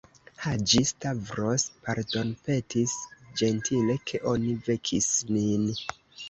Haĝi-Stavros pardonpetis ĝentile, ke oni vekis nin.